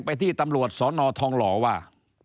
ไปที่ตำรวจสนทองหล่อว่า